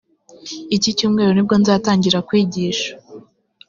icyi cyumweru nibwo nzatangira kwigisha